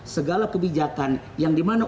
segala kebijakan yang dimana